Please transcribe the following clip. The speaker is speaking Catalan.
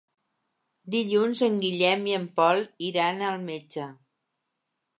Dilluns en Guillem i en Pol iran al metge.